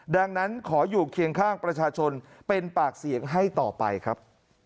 ดังนั้นขออยู่เคียงข้างประชาชนเป็นปากเสียงให้ต่อไปครับ